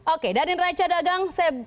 oke dari neraca dagang